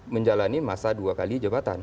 menjalani masa dua kali jabatan